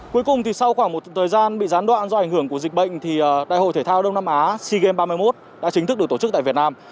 cuối cùng thì sau khoảng một thời gian bị gián đoạn do ảnh hưởng của dịch bệnh thì đại hội thể thao đông nam á sea games ba mươi một đã chính thức được tổ chức tại việt nam